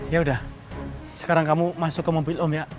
yaudah sekarang kamu masuk ke mobil om ya